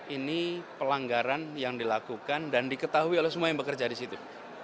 ini pelanggaran yang dilakukan dan diketahui oleh semua yang bekerja di situ